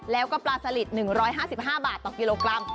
แล้วก็ปลาสลิด๑๕๕บาทต่อกิโลกรัม